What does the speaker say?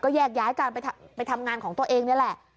แยกย้ายกันไปทำงานของตัวเองนี่แหละ